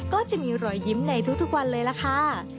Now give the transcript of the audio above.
ก็จะมีรอยยิ้มในทุกวันเลยล่ะค่ะ